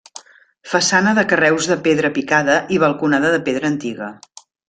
Façana de carreus de pedra picada i balconada de pedra antiga.